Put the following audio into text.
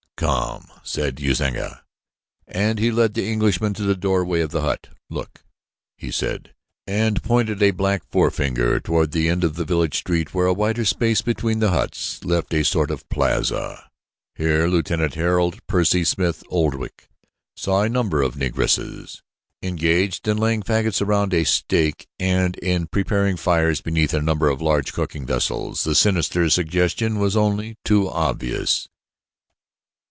"Come," said Usanga and he led the Englishman to the doorway of the hut. "Look," he said, and pointed a black forefinger toward the end of the village street where a wider space between the huts left a sort of plaza. Here Lieutenant Harold Percy Smith Oldwick saw a number of Negresses engaged in laying fagots around a stake and in preparing fires beneath a number of large cooking vessels. The sinister suggestion was only too obvious.